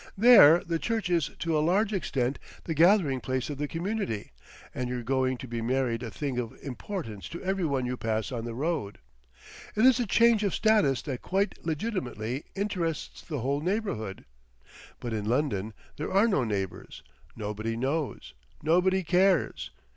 There the church is to a large extent the gathering place of the community, and your going to be married a thing of importance to every one you pass on the road. It is a change of status that quite legitimately interests the whole neighbourhood. But in London there are no neighbours, nobody knows, nobody cares.